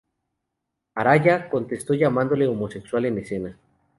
Araya contestó llamándole homosexual en escena.